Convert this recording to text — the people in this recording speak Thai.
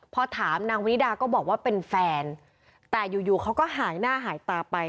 พอถามนางวิริดาก็บอกว่าเป็นแฟนแต่อยู่อยู่เขาก็หายหน้าหายตาไป